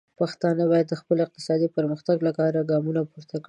پښتانه باید د خپل اقتصادي پرمختګ لپاره ګامونه پورته کړي.